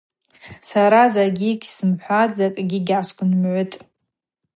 Сара закӏгьи гьсымхӏватӏ, закӏгьи гьгӏасгвнымгӏвытӏ.